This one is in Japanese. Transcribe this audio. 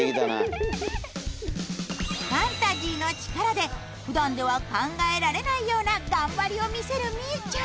ファンタジーのチカラでふだんでは考えられないような頑張りを見せるみうちゃん。